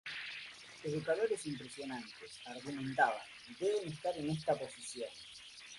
Educadores impresionantes, argumentaban, deben estar en esta posición.